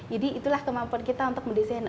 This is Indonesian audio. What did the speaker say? jadi itulah kemampuan kita untuk mendesain